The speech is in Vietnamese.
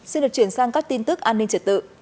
xin được chuyển sang các tin tức an ninh trật tự